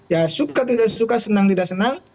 ya suka tidak suka senang tidak senang